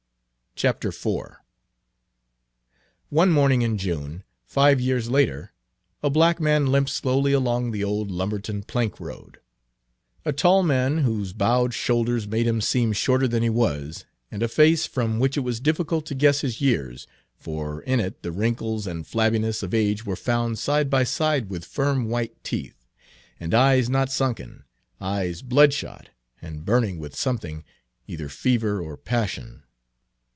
IV One morning in June, five years later, a black man limped slowly along the old Page 314 Lumberton plank road; a tall man, whose bowed shoulders made him seem shorter than he was, and a face from which it was difficult to guess his years, for in it the wrinkles and flabbiness of age were found side by side with firm white teeth, and eyes not sunken, eyes bloodshot, and burning with something, either fever or passion.